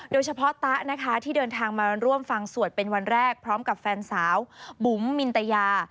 โดยเฉพาะตะนะคะที่เดินทางมาร่วมฟังสวดเป็นวันแรกพร้อมกับแฟนสาวบุ๋มมินตยา